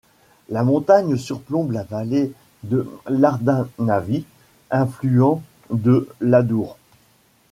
La montagne surplombe la vallée de l'Ardanavy, affluent de l'Adour.